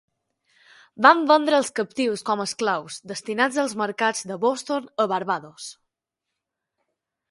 Van vendre els captius com a esclaus, destinats als mercats de Boston a Barbados.